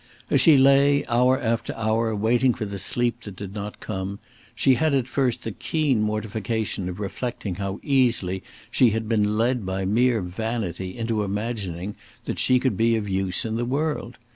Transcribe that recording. As she lay, hour after hour, waiting for the sleep that did not come, she had at first the keen mortification of reflecting how easily she had been led by mere vanity into imagining that she could be of use in the world.